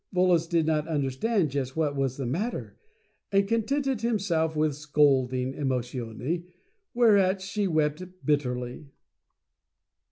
Volos did not un derstand just what was the matter, and contented himself with scolding Emotione, whereat she wept 78 Mental Fascination bitterly.